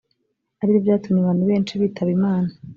aribyo byatumye abantu benshi bitaba imana